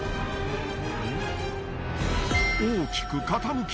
大きく傾き